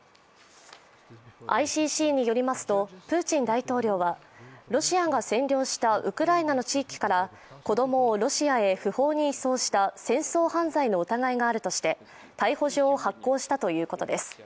ＩＣＣによりますと、プーチン大統領はロシアが占領したウクライナの地域から子供をロシアへ不法に移送した戦争犯罪の疑いがあるしとて逮捕状を発行したということです。